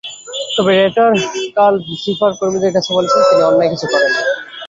তবে ব্ল্যাটার কাল ফিফার কর্মীদের কাছে বলেছেন, তিনি অন্যায় কিছু করেননি।